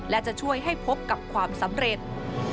และจะช่วยให้พบกับความสำเร็จ